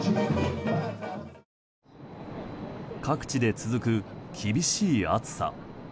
各地で続く厳しい暑さ。